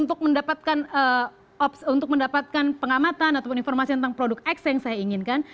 untuk mendapatkan pengamatan ataupun informasi tentang produk x yang saya inginkan